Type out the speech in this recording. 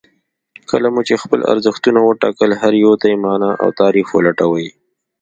کله مو چې خپل ارزښتونه وټاکل هر يو ته يې مانا او تعريف ولټوئ.